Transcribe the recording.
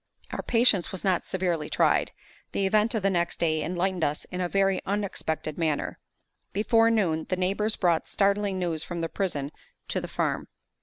Our patience was not severely tried. The event of the next day enlightened us in a very unexpected manner. Before noon, the neighbors brought startling news from the prison to the farm.